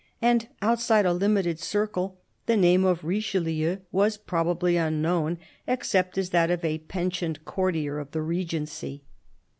And outside a limited circle the name of Richeheu was probably unknown, except as that of a pensioned courtier of the Regency.